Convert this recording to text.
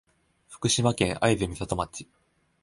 福島県会津美里町